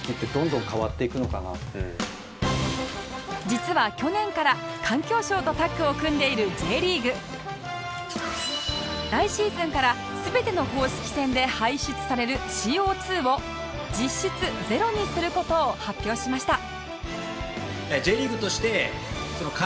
実は去年から環境省とタッグを組んでいる Ｊ リーグ来シーズンから全ての公式戦で排出される ＣＯ２ を実質ゼロにする事を発表しました